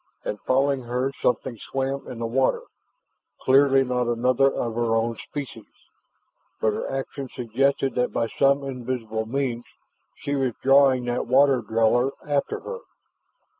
And following her something swam in the water, clearly not another of her own species. But her actions suggested that by some invisible means she was drawing that water dweller after her.